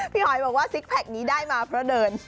หอยบอกว่าซิกแพคนี้ได้มาเพราะเดิน